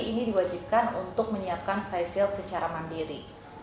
ini diwajibkan untuk menyiapkan vizel secara mandiri